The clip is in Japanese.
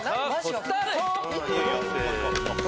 スタート！